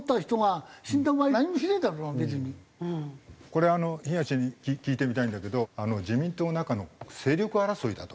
これ東に聞いてみたいんだけど自民党の中の勢力争いだと。